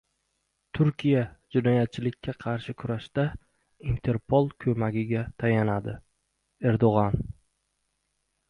“Turkiya jinoyatchilikka qarshi kurashda Interpol ko‘magiga tayanadi” — Erdo‘g‘on